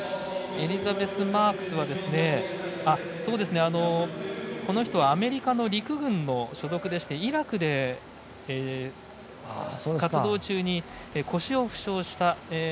エリザベス・マークスはこの人はアメリカの陸軍の所属でして、イラクで活動中に腰を負傷した。